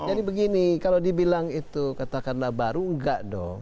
jadi begini kalau dibilang itu katakanlah baru enggak dong